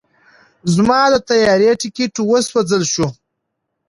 زما د طیارې ټیکټ وسوځل شو.